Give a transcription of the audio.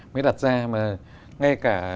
mới đặt ra mà ngay cả